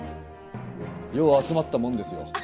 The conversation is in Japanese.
よう集まったもんですよ。